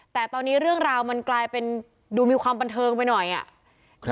แต่ตอนนี้เรื่องราวมันกลายเป็นดูมีความบันเทิงไปหน่อยอ่ะ